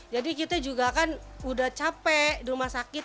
jadi kita juga kan udah capek di rumah sakit